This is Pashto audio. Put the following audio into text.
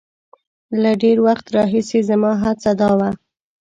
له ډېر وخت راهیسې زما هڅه دا وه.